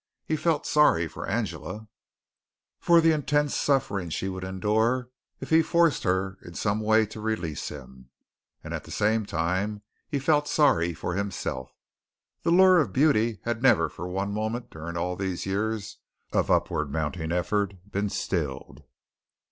He felt sorry for Angela for the intense suffering she would endure if he forced her in some way to release him and at the same time he felt sorry for himself. The lure of beauty had never for one moment during all these years of upward mounting effort been stilled.